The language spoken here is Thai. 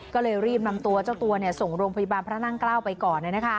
ก็เลยรีบนำตัวเจ้าตัวส่งโรงพยาบาลพระนั่งเกล้าไปก่อน